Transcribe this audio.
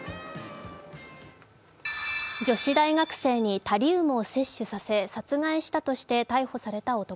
女子大学生にタリウムを摂取させ殺害したとして逮捕された男。